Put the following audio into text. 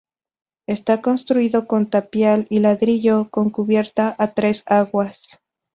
Está construido con tapial y ladrillo, con cubierta a tres aguas.